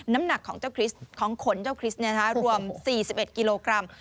น้ำหนักของเจ้าของขนเจ้าคริสต์รวม๔๑กิโลกรัม